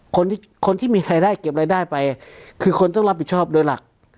คนที่คนที่มีรายได้เก็บรายได้ไปคือคนต้องรับผิดชอบโดยหลัก